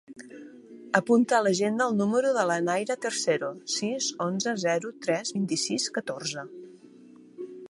Apunta a l'agenda el número de la Nayra Tercero: sis, onze, zero, tres, vint-i-sis, catorze.